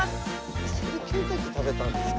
なんでケンタッキー食べたんですか。